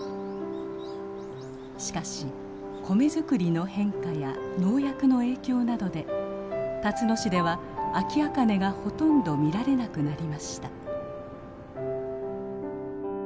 しかし米づくりの変化や農薬の影響などでたつの市ではアキアカネがほとんど見られなくなりました。